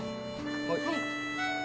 はい。